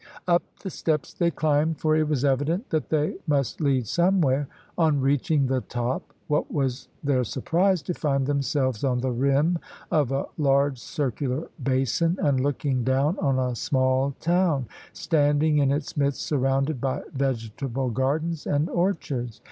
Up the steps they climbed, for it was evident that they must lead somewhere. On reaching the top, what was their surprise to find themselves on the rim of a large circular basin, and looking down on a small town standing in its midst surrounded by vegetable gardens and orchards.